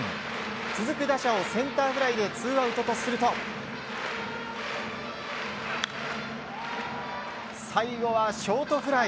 続く打者をセンターフライでツーアウトとすると最後はショートフライ。